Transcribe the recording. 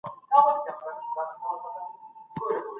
که مطالعه ازاده وي، نو ټولنه به پرمختګ وکړي.